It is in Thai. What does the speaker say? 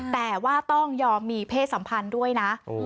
แต่ว่าต้องยอมมีเพศสัมพันธ์ด้วยนะ